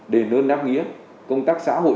để nâng đáp nghĩa công tác xã hội